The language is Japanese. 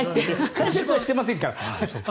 解説はしてませんから。